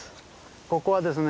ここはですね